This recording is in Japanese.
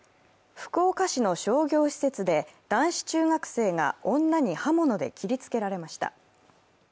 福岡市の商業施設で男子中学生が女に刃物で切りつけられました。